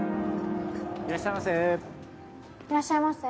いらっしゃいませ。